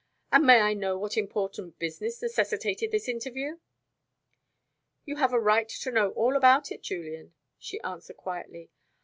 "And may I know what important business necessitated this interview?" "You have a right to know all about it, Julian," she answered quietly.